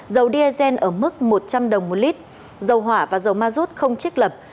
dầu diesel ở mức một trăm linh đồng một lít dầu hỏa và dầu ma rút không trích lập